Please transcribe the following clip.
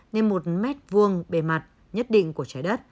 nên một mét vuông bề mặt nhất định của trái đất